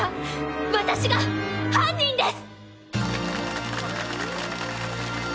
私が犯人です！